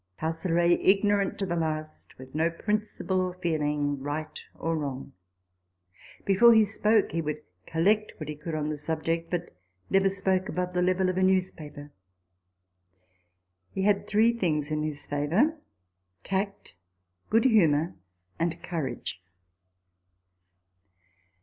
Castlereagh ignorant to the last, with no prin ciple or feeling, right or wrong. Before he spoke, he would collect what he could on the subject, but never spoke above the level of a newspaper. Had three things in his favour : Tact, good humour, and courage.